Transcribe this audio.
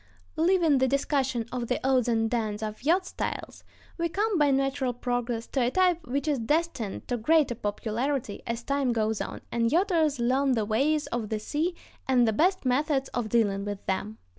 Leaving the discussion of the odds and ends of yacht styles, we come, by natural progress, to a type which is destined to greater popularity as time goes on, and yachters learn the ways of the sea and the best methods of dealing with them.